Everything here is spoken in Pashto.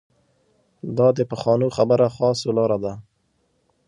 دا د پخوانو خبره خواصو لاره ده.